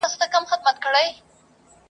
مرګ د اوبو وار دی نن پر ما سبا پر تا !.